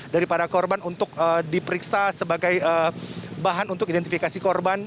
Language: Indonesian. dari para korban untuk diperiksa sebagai bahan untuk identifikasi korban